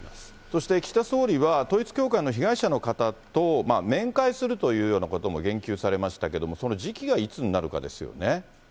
そして岸田総理は、統一教会の被害者の方と面会するというようなことも言及されましたけども、その時期がいつになるかですよね。